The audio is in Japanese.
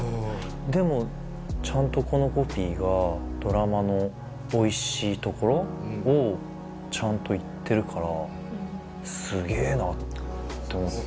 でもちゃんとこのコピーがドラマのおいしいところをちゃんと言ってるからすげぇなと思った。